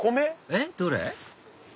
えっどれ？